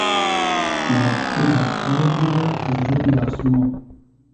مافتی رۂ تۉر دیدۂ از روی آسمۉ